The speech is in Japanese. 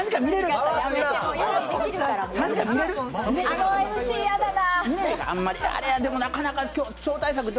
あのＭＣ嫌だな。